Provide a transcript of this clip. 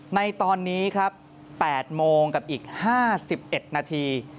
ในตอนนี้ครับ๘โมงกับอีก๕๑นาที